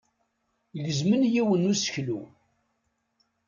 Gezmen yiwen n useklu.